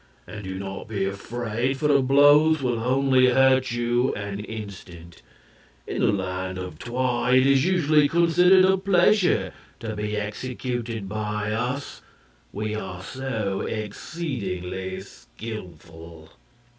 And do not be afraid, for the blows will only hurt you an instant. In the Land of Twi it is usually considered a pleasure to be executed by us, we are so exceedingly skillful."